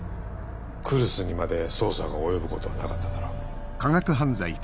来栖にまで捜査が及ぶことはなかっただろう。